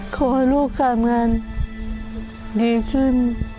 ขอให้ลูกการงานดีขึ้น